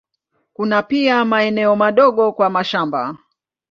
Kuna pia maeneo madogo kwa mashamba.